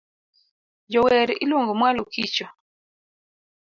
Jower iluongo mwalo kicho